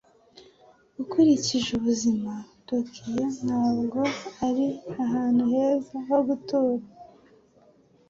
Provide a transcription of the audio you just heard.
Ukurikije ubuzima, Tokiyo ntabwo ari ahantu heza ho gutura.